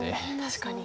確かに。